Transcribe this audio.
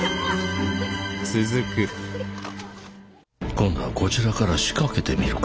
今度はこちらから仕掛けてみるか。